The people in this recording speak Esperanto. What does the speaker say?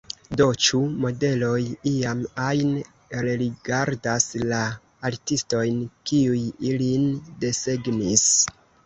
Do, ĉu modeloj iam ajn rerigardas la artistojn, kiuj ilin desegnis?